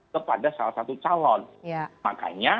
kepada salah satu calon makanya